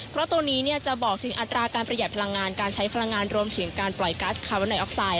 เพราะตรงนี้จะบอกถึงอัตราการประหยัดพลังงานการใช้พลังงานรวมถึงการปล่อยกัสคาร์อนไอออกไซด